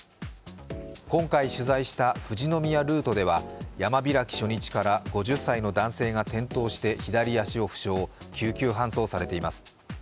今回、取材した富士宮登山ルートでは山開き初日から５０歳の男性が転倒して左足を負傷、救急搬送されています。